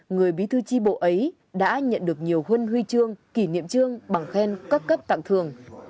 người bí thư tri bộ ấy đã nhận được nhiều huân huy chương kỷ niệm trương bằng khen cấp cấp tặng thường